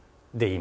今。